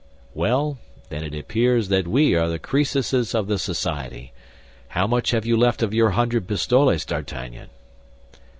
"Well, then it appears that we are the Crœsuses of the society. How much have you left of your hundred pistoles, D'Artagnan?"